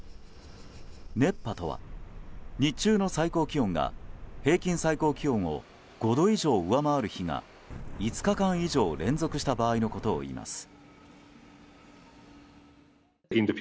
熱波とは日中の最高気温が平均最高気温を５度以上上回る日が５日間以上連続した場合のことを言います。